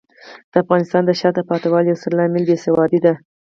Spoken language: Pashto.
د افغانستان د شاته پاتې والي یو ستر عامل بې سوادي دی.